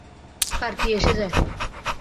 কার কি এসে যায়?